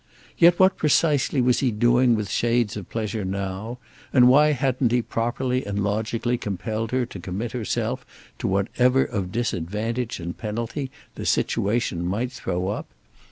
Yet what precisely was he doing with shades of pleasure now, and why hadn't he properly and logically compelled her to commit herself to whatever of disadvantage and penalty the situation might throw up?